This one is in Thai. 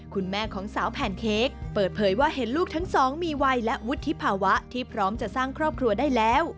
คุณแม่ของสาวแพนเค้กเปิดเผยว่าเห็นลูกทั้งสองมีวัยและวุฒิภาวะที่พร้อมจะสร้างครอบครัวได้แล้ว